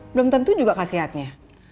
belum tentu juga kasih hatinya